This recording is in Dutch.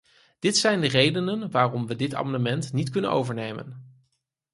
Dit zijn de redenen waarom we dit amendement niet kunnen overnemen.